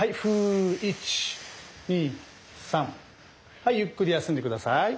はいゆっくり休んで下さい。